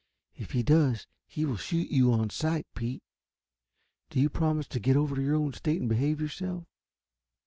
If he does, he will shoot you on sight, Pete. Do you promise to get over to your own state and behave yourself?"